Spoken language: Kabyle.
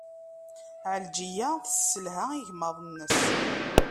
Ɛelǧiya tesselha igmaḍ-nnes.